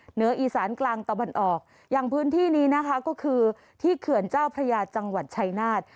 เหนืออีสานกลางตะวันออกอย่างพื้นที่นี้นะคะก็คือที่เขื่อนเจ้าพระยาจังหวัดชายนาฏ